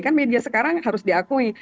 kan media sekarang harus diakui